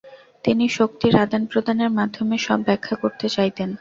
তিনি শক্তির আদান-প্রদাণের মাধ্যমে সব ব্যাখ্যা করতে চাইতেন।